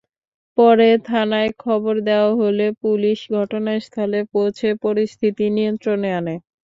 পরে থানায় খবর দেওয়া হলে পুলিশ ঘটনাস্থলে পৌঁছে পরিস্থিতি নিয়ন্ত্রণে আনে।